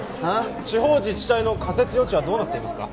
地方自治体の仮設用地はどうなっていますか？